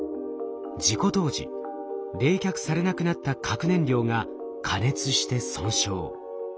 事故当時冷却されなくなった核燃料が過熱して損傷。